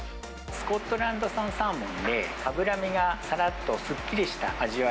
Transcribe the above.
スコットランド産サーモンで、脂身がさらっとすっきりした味わ